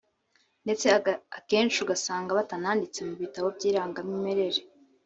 ndetse akenshi ugasanga batananditse mu bitabo by’irangamimerere